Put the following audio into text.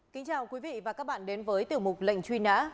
kính chào quý vị và các bạn đến với tiểu mục lệnh truy nã